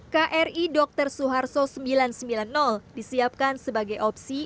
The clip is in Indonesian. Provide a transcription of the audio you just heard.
kri dr suharto sembilan ratus sembilan puluh disiapkan sebagai opsi